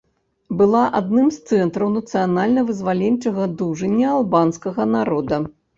Была адным з цэнтраў нацыянальна-вызваленчага дужання албанскага народа.